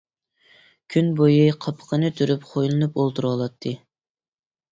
كۈن بويى قاپىقىنى تۈرۈپ خۇيلىنىپ ئولتۇرۇۋالاتتى.